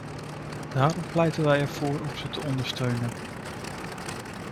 Daarom pleiten wij ervoor om ze te ondersteunen.